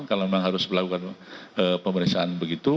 kalau memang harus melakukan pemeriksaan begitu